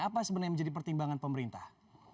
apa sebenarnya yang menjadi pertimbangan pemerintah